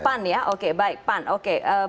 pan ya oke baik pan oke